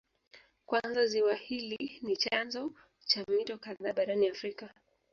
Kwanza ziwa hili ni chanzo cha mito kadhaa barani Afrika